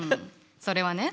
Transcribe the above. それはね